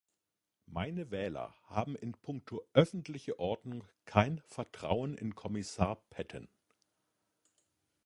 Meine Wähler haben in punkto öffentliche Ordnung kein Vertrauen in Kommissar Patten.